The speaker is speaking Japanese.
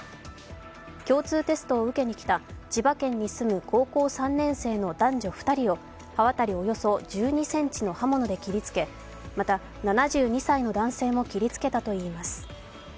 共通テストを受けに来た千葉県に住む高校３年生の男女２人を刃渡りおよそ１２ｃｍの刃物で切りつけ、また、７２歳の男性も切りつけたといいます。